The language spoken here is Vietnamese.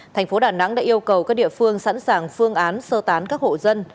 thành phố đà nẵng đã yêu cầu các địa phương sẵn sàng phương án sơ tán các hộ dân